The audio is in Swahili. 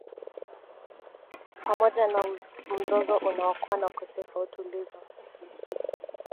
Pamoja na mzozo unaokua na ukosefu wa utulivu